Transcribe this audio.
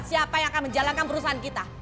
siapa yang akan menjalankan perusahaan kita